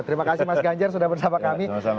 terima kasih mas ganjar sudah bersama kami